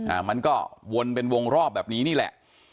อ่ามันก็วนเป็นวงรอบแบบนี้นี่แหละ